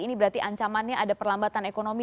ini berarti ancamannya ada perlambatan ekonomi